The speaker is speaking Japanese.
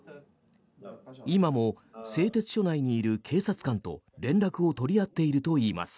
今も製鉄所内にいる警察官と連絡を取り合っているといいます。